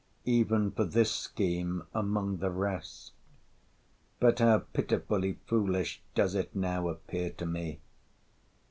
Even for this scheme among the rest! But how pitifully foolish does it now appear to me!